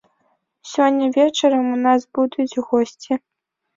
Сёння вечарам у нас будуць госці.